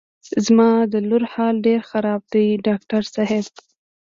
زما د لور حال ډېر خراب دی ډاکټر صاحب.